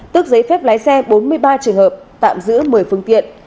tước giấy phép lái xe bốn mươi ba trường hợp tạm giữ một mươi phương tiện